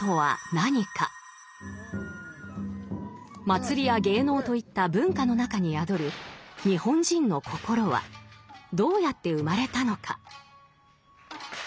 祭りや芸能といった文化の中に宿る日本人の心はどうやって生まれたのか。